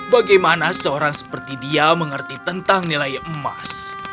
bagaimana seorang seperti dia mengerti tentang nilai emas